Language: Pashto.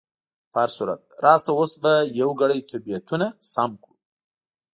په هر صورت، راشه اوس به یو ګړی طبیعتونه سم کړو.